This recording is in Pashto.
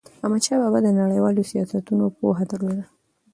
احمدشاه بابا د نړیوالو سیاستونو پوهه درلوده.